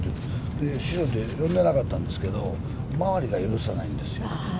で、師匠って呼んでなかったんですけど、周りが許さないんですよ。